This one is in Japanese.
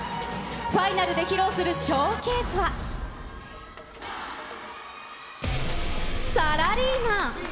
ファイナルで披露するショーケースは、サラリーマン。